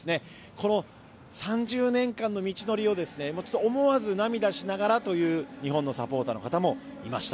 この３０年間の道のりを思わず涙しながらという日本のサポーターの方もいました。